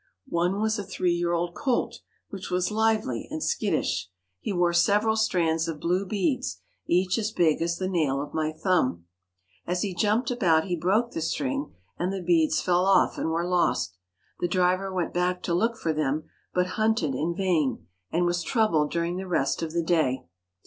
One was a three year old colt, which was lively and skittish. He wore several strands of blue beads, each as big as the nail of my thumb. As he jumped about he broke the string and the beads fell off and were lost. The driver went back to look for them, but hunted in vain, and was troubled during the rest of the day.